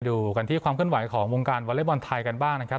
ดูกันที่ความเคลื่อนไหวของวงการวอเล็กบอลไทยกันบ้างนะครับ